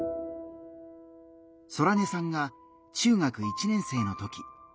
ソラネさんが中学１年生の時。